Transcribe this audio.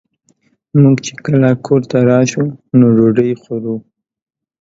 مونږ چې کله کور ته راشو نو ډوډۍ خورو